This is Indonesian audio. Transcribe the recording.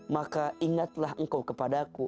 maka ingatlah engkau kepada aku